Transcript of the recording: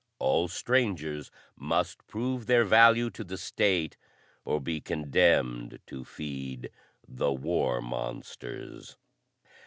All strangers must prove their value to the State or be condemned to feed the war monsters.